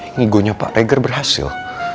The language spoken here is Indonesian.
ngigonya pak reger berhasil